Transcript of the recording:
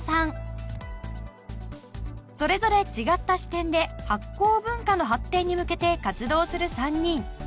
それぞれ違った視点で発酵文化の発展に向けて活動する３人。